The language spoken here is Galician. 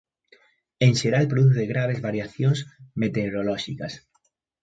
En xeral produce graves variacións meteorolóxicas.